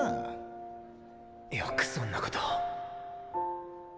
よくそんなことを。